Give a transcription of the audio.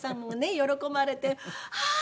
喜ばれてああ